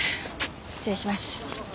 失礼します。